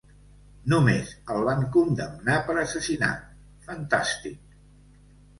Només el van condemnar per assassinat, fantàstic!